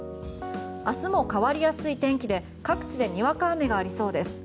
明日も変わりやすい天気で各地でにわか雨がありそうです。